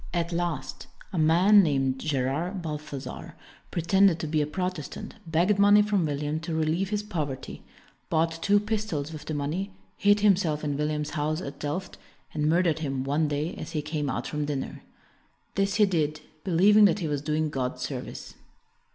At last, a man named Gerard Balthazar pretended to be a Prot estant, begged money from William to relieve his poverty, bought two pistols WILLIAM THE SILENT i with the money, hid himself in William's house at Delft, and murdered him one day as he came out from dinner. This he did, believing that he was doing God service.